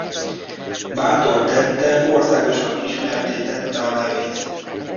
Bátor tette országosan ismertté tette a nevét.